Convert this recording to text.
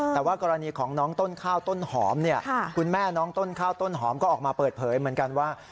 แต่ว่ากรณีของน้องต้นข้าวต้นหอมเนี่ยคุณแม่น้องต้นข้าวต้นหอมก็ออกมาเปิดเผยเหมือนกันว่า